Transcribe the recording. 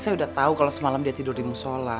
kita harus menunggu